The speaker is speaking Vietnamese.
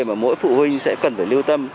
mà mỗi phụ huynh sẽ cần phải lưu tâm